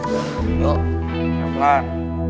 lo ya ampun lah